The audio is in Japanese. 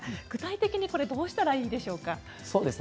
具体的にどうしたらいいでしょうか。